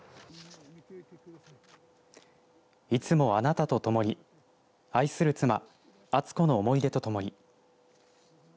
いつもあなたとともに愛する妻あつこの思い出とともに。